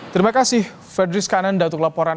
terima kasih ferdris kanan datuk laporan